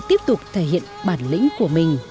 tiếp tục thể hiện bản lĩnh của mình